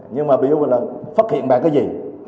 nhưng mà biểu là phát hiện bà cái gì